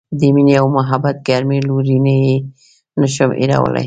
د مینې او محبت ګرمې لورینې یې نه شم هیرولای.